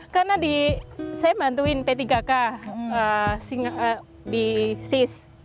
karena saya bantuin p tiga k di sis